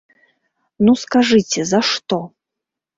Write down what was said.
Ну, скажыце, за што?